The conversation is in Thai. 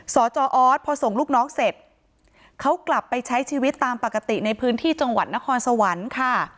จออสพอส่งลูกน้องเสร็จเขากลับไปใช้ชีวิตตามปกติในพื้นที่จังหวัดนครสวรรค์ค่ะ